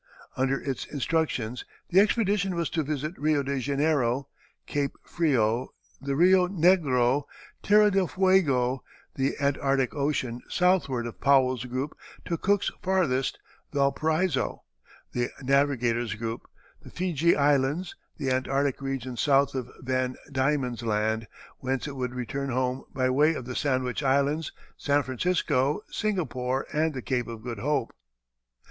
Under its instructions the expedition was to visit Rio de Janeiro, Cape Frio, the Rio Negro, Terra del Fuego, the Antarctic Ocean southward of Powell's group to Cook's farthest, Valparaiso, the Navigators' Group, the Feejee Islands, the Antarctic regions south of Van Dieman's Land, whence it would return home by way of the Sandwich Islands, San Francisco, Singapore, and the Cape of Good Hope.